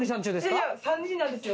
いやいや３人なんですよ。